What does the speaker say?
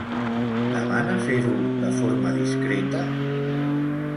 Demana fer-ho de forma discreta?